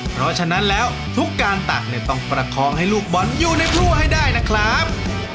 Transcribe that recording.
เพราะฉะนั้นแล้วทุกการตักเนี่ยต้องประคองให้ลูกบอลอยู่ในครัวให้ได้นะครับ